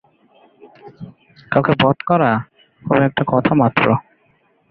কাউকে বধ করা, ও একটা কথা মাত্র।